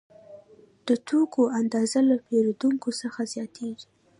د توکو اندازه له پیرودونکو څخه زیاتېږي